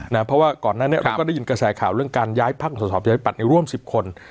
เพราะว่าก่อนนั้นเราก็ได้ยินกระแสข่าวเรื่องการย้ายพักของสอบประชาธิปัตย์ร่วม๑๐คน